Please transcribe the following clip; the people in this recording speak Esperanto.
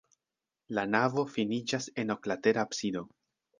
La navo finiĝas en oklatera absido.